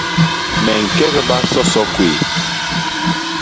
Me ñkegba soso kwéy.